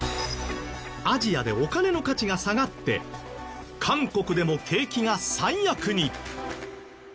アジアでお金の価値が下がって韓国でも景気が最悪に。